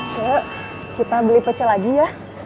coba kita beli pecel lagi ya